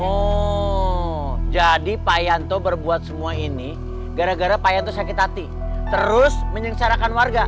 oh jadi payanto berbuat semua ini gara gara payanto sakit hati terus menyengsarakan warga